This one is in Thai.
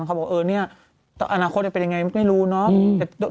เขาบอกนี่อนาคตมันจะเป็นอย่างไรไม่รู้นะ